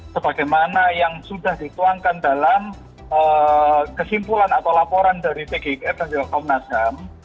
sebagaimana yang sudah dituangkan dalam kesimpulan atau laporan dari tgk dan jokowi nasdam